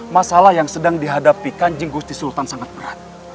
masalah yang sedang dihadapi kanjeng gusti sultan sangat berat